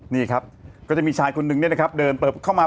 นี่ครับก็จะมีชายคนนึงเนี่ยนะครับเดินเปิดเข้ามา